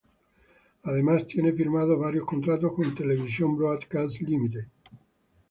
Además tiene firmados varios contratos con "Television Broadcast Limited".